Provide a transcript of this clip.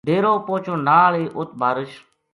ڈیرو پہچن نال ہی اُت بارش